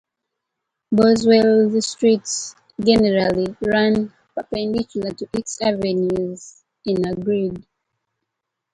Boswell's streets generally run perpendicular to its avenues, in a grid.